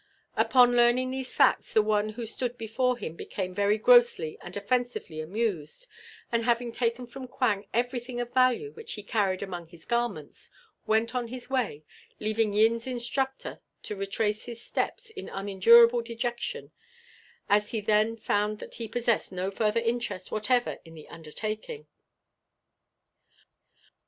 Upon learning these facts, the one who stood before him became very grossly and offensively amused, and having taken from Quang everything of value which he carried among his garments, went on his way, leaving Yin's instructor to retrace his steps in unendurable dejection, as he then found that he possessed no further interest whatever in the undertaking.